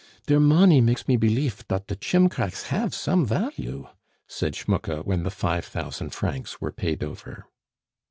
"Der monny makes me beleef dot the chimcracks haf som value," said Schmucke when the five thousand francs were paid over.